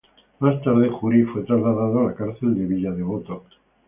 Más tarde, Juri fue trasladado a la Cárcel de Villa Devoto.